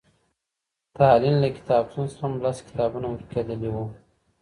د تالين له کتابتون څخه هم لس کتابونه ورکېدلي وو.